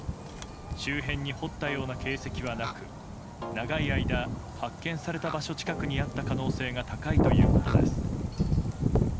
周辺に掘ったような形跡はなく長い間、発見された場所近くにあった可能性が高いということです。